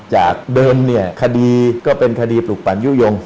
จากเดิมเนี่ยคดีก็เป็นคดีปลูกปั่นยุโยง